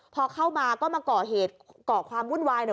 พอเข้ามาก็มาก่อเหตุก่อความวุ่นวาย